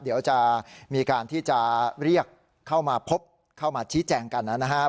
เดี๋ยวจะมีการที่จะเรียกเข้ามาพบเข้ามาชี้แจงกันนะครับ